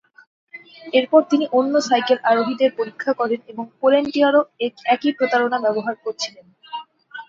এরপর তিনি অন্য সাইকেল আরোহীদের পরীক্ষা করেন এবং পোলেন্টিয়ারও একই প্রতারণা ব্যবহার করছিলেন।